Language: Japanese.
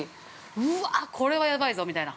うわっ、これはやばいぞみたいな。